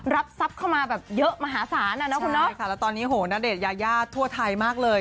รับทรัพย์เข้ามาแบบเยอะมหาศาลอ่ะเนอะคุณเนาะใช่ค่ะแล้วตอนนี้โหณเดชนยายาทั่วไทยมากเลย